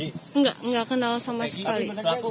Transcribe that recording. enggak enggak kenal sama sekali